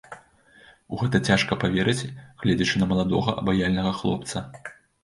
У гэта цяжка паверыць, гледзячы на маладога, абаяльнага хлопца.